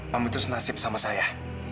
kamu itu senasib sama saya